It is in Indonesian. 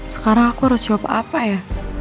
sekarang aku harus swab apa ya